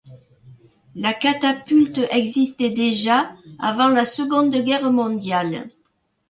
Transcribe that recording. La catapulte existait déjà avant la Seconde Guerre mondiale.